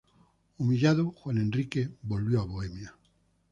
Humillado, Juan Enrique volvió a Bohemia.